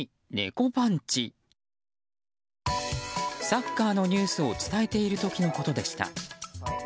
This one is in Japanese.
サッカーのニュースを伝えている時のことでした。